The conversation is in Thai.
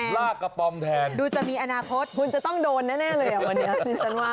ลากกระป๋อมแทนดูจะมีอนาคตคุณจะต้องโดนแน่เลยอ่ะวันนี้ดิฉันว่า